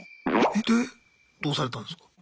でどうされたんすか？